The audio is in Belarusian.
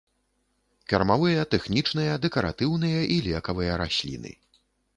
Кармавыя, тэхнічныя, дэкаратыўныя і лекавыя расліны.